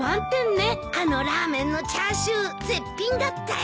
あのラーメンのチャーシュー絶品だったよ！